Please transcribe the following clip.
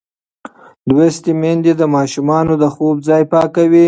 لوستې میندې د ماشومانو د خوب ځای پاکوي.